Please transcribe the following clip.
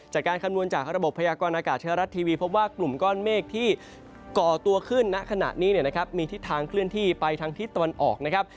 จากการคำนวณจากระบบพญากรอะกาดธรรติทีวีพบว่ากลุ่มก้อนเมฆที่ก่อตัวขึ้นณขณะนี้มีทิศทางเคลื่อนที่ไปทางทิศตะวันออกนะครับ